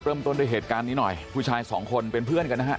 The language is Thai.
เริ่มต้นด้วยเหตุการณ์นี้หน่อยผู้ชายสองคนเป็นเพื่อนกันนะฮะ